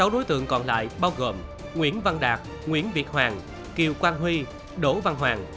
sáu đối tượng còn lại bao gồm nguyễn văn đạt nguyễn việt hoàng kiều quang huy đỗ văn hoàng